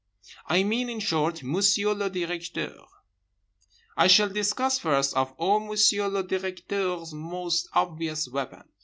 I mean, in short, Monsieur le Directeur. I shall discuss first of all Monsieur le Directeur's most obvious weapon.